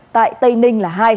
tại tây ninh là hai